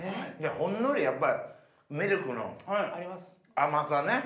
ほんのりやっぱりミルクの甘さね。